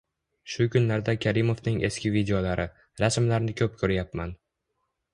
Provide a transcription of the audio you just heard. Shu kunlarda Karimovning eski videolari, rasmlarini ko‘p ko‘ryapman.